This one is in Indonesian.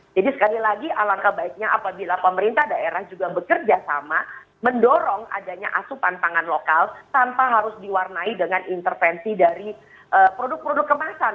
jadi sekali lagi alangkah baiknya apabila pemerintah daerah juga bekerja sama mendorong adanya asupan tangan lokal tanpa harus diwarnai dengan intervensi dari produk produk kemasan